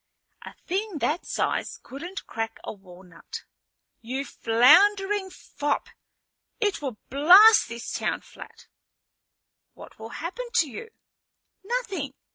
"A thing that size couldn't crack a walnut." "You floundering fop, it will blast this town flat!" "What will happen to you?" "Nothing.